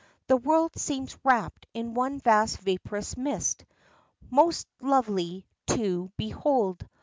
The world seems wrapped in one vast vaporous mist, most lovely to behold.